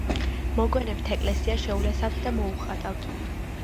მოგვიანებით ეკლესია შეულესავთ და მოუხატავთ.